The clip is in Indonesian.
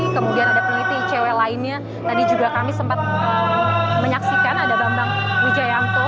kemudian ada peneliti icw lainnya tadi juga kami sempat menyaksikan ada bambang wijayanto